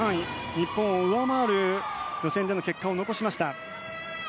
日本を上回る予選での結果を残しました。